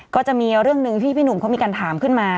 ก็จะมีเรื่องหนึ่งที่พี่หนุ่มเขามีการถามขึ้นมา